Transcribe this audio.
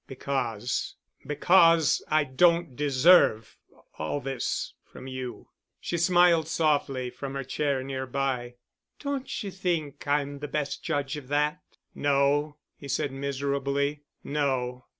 "Because—because I don't deserve—all this—from you." She smiled softly from her chair nearby. "Don't you think I'm the best judge of that?" "No," he said miserably. "No."